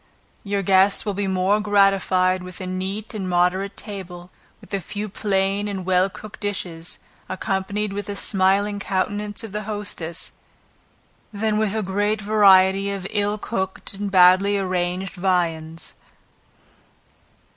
Your guests will be more gratified with a neat and moderate table, with a few plain and well cooked dishes, accompanied with the smiling countenance of the hostess, than with a great variety of ill cooked and badly arranged viands.